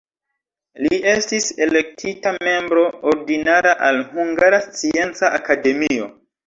Li estis elektita membro ordinara al Hungara Scienca Akademio.